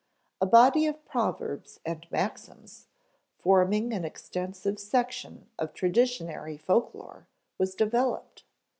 A body of proverbs and maxims, forming an extensive section of traditionary folklore, was developed.